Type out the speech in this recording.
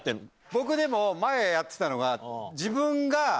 僕でも前やってたのが。